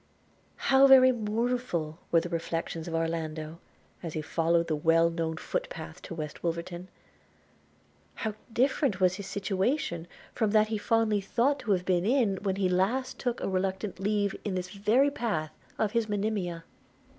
How very mournful were the reflections of Orlando as he followed the well known foot path to West Wolverton! – How different was his situation from that he fondly thought to have been in when he last took a reluctant leave, in this very path, of his Monimia!